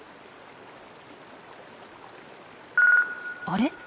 あれ？